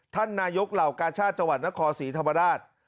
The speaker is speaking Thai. ท่านนายกเหล่ากาชาติจังหวัดนครศรีธรรมราช